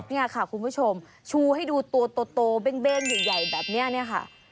นี่ค่ะคุณผู้ชมชูให้ดูตัวโตเบ้งใหญ่แบบนี้เนี่ยค่ะ